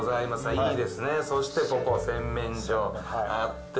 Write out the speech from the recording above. いいですね、そしてここ、洗面所あって。